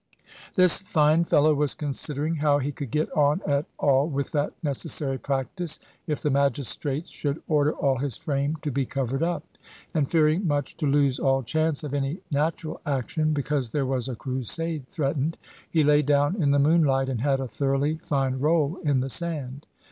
This fine fellow was considering how he could get on at all with that necessary practice, if the magistrates should order all his frame to be covered up; and fearing much to lose all chance of any natural action because there was a crusade threatened he lay down in the moonlight, and had a thoroughly fine roll in the sand.